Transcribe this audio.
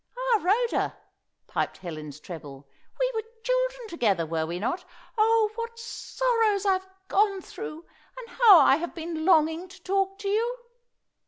"Ah, Rhoda!" piped Helen's treble, "we were children together, were we not? Oh! what sorrows I've gone through, and how I have been longing to talk to you!"